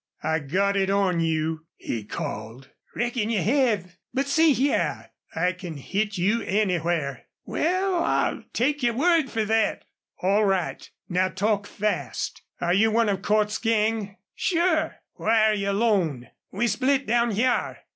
"I got it on you," he called. "Reckon you hev. But see hyar " "I can hit you anywhere." "Wal, I'll take yer word fer thet." "All right. Now talk fast.... Are you one of Cordts's gang?" "Sure." "Why are you alone?" "We split down hyar."